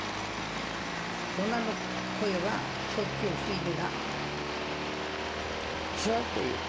どなる声はしょっちゅう聞いてた。